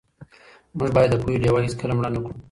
موږ باید د پوهې ډېوه هېڅکله مړه نه کړو.